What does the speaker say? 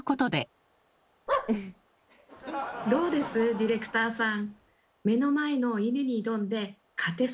ディレクターさん。